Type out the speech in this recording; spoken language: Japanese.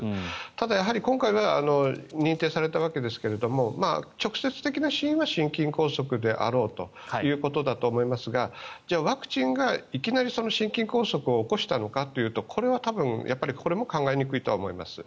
ただやはり今回は認定されたわけですけれども直接的な死因は心筋梗塞であろうということだと思いますがじゃあワクチンがいきなり心筋梗塞を起こしたのかというとこれは多分これも考えにくいと思います。